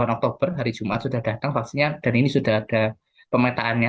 delapan oktober hari jumat sudah datang vaksinnya dan ini sudah ada pemetaannya